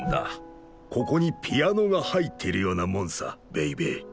ここにピアノが入っているようなもんさベイベー。